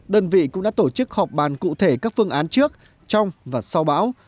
đơn vị cũng đã tổ chức họp bàn cụ thể các phương án trước trong và sau bão